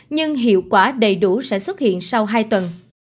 nhưng hiệu quả đầy đủ sẽ xuất hiện sau hai tuần